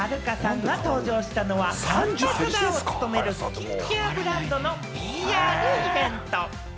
先週金曜日、綾瀬はるかさんが登場したのはアンバサダーを務める、スキンケアブランドのＰＲイベント。